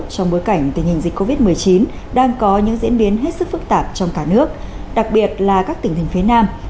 trong bối cảnh tình hình dịch covid một mươi chín đang có những diễn biến hết sức phức tạp trong cả nước đặc biệt là các tỉnh thành phía nam